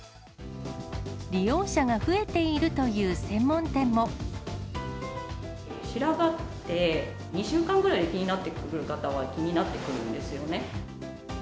利用者が増えているという専白髪って、２週間ぐらいで気になってくる方は気になってくるんですよね。